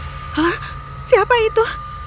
hah siapa itu